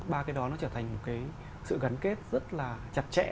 ba cái đó nó trở thành một cái sự gắn kết rất là chặt chẽ